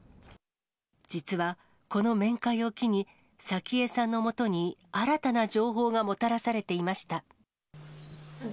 実はこの面会を機に、早紀江さんのもとに新たな情報がもたらされていました。